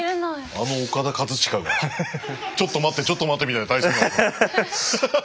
あのオカダ・カズチカがちょっと待ってちょっと待ってみたいな体勢に。